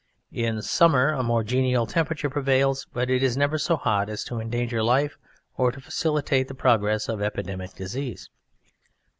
In summer a more genial temperature prevails, but it is never so hot as to endanger life or to facilitate the progress of epidemic disease.